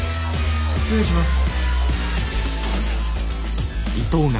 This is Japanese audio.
失礼します。